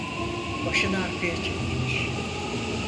Başını arkaya çevirmiş.